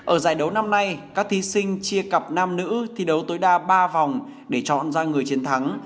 ở giải đấu năm nay các thí sinh chia cặp nam nữ thi đấu tối đa ba vòng để chọn ra người chiến thắng